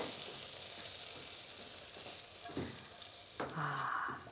ああ。